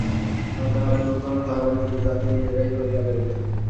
আর যাহারা নূতন, তাহারা নিজের জাতি নিজেরাই করিয়া লইবে।